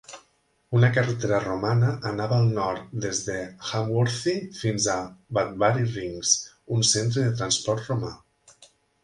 Una carretera romana anava al nord des de Hamworthy fins a Badbury Rings, un centre de transport romà.